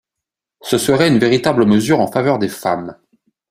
Ce serait une véritable mesure en faveur des femmes.